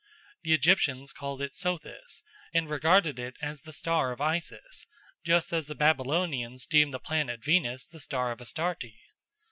The Egyptians called it Sothis, and regarded it as the star of Isis, just as the Babylonians deemed the planet Venus the star of Astarte.